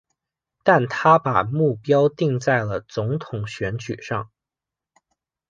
但他把目标定在了总统选举上。